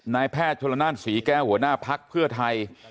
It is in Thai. นายแพทย์ชนละนานศรีแก้วหัวหน้าภักดิ์เพื่อไทย